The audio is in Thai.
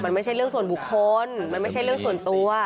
มันไม่ใช่เรื่องส่วนบุคคลมันไม่ใช่เรื่องส่วนตัว